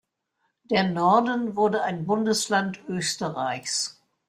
Der Norden wurde ein Bundesland Österreichs.